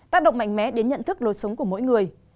tác động mạnh mẽ đến nhận thức lối sống của mỗi người